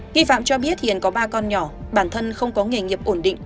nghi phạm cho biết hiện có ba con nhỏ bản thân không có nghề nghiệp ổn định